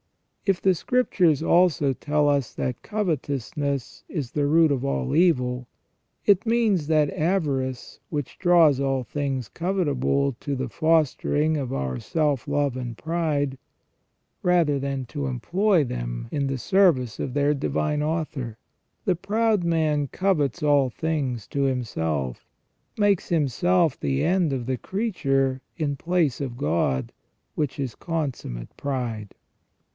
If the Scriptures also tell us that covetousness is the root of all evil, it means that avarice which draws all things covetable to the foster ing of our self love and pride, rather than to employ them in the service of their Divine Author. The proud man covets all things to himself, making himself the end of the creature in place of God, which is consummate pride.